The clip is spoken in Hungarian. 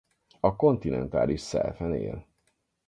A kontinentális selfen él.